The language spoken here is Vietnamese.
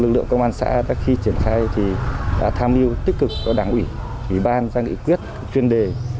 lực lượng công an xã khi triển khai thì đã tham dự tích cực đảng ủy ủy ban giang nghị quyết chuyên đề